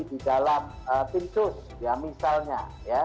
di dalam timsus ya misalnya